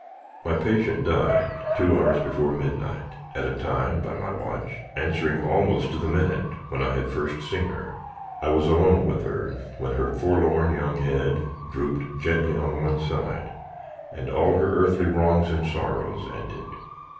"My patient died, two hours before midnight at a time, by my watch, answering almost to the minute when I had first seen her. I was alone with her, when her forlorn young head drooped gently on one side, and all her earthly wrongs and sorrows ended.